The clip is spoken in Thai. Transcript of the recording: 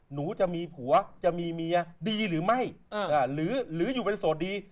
หนูจะมีผัวจะมีเมียดีหรือไม่หรืออยู่เป็นโสดดี